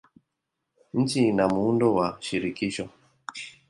Nchi ina muundo wa shirikisho.